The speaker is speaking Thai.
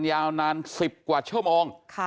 ยาวนาน๑๐กว่าชั่วโมง